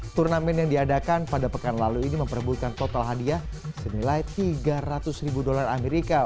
turnamen yang diadakan pada pekan lalu ini memperbutkan total hadiah senilai tiga ratus ribu dolar amerika